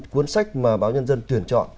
cuốn sách mà báo nhân dân tuyển chọn